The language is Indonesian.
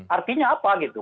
artinya apa gitu